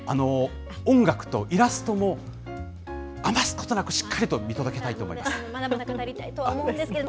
音楽とイラストも、余すことなくしっかりと見届けたいと思います。